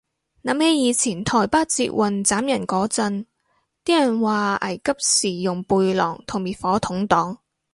諗起以前台北捷運斬人嗰陣，啲人話危急時用背囊同滅火筒擋